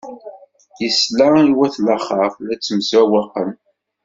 Isla i wat laxert la ttemsewwaqen.